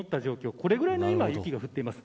これぐらいの雪が今、降っています。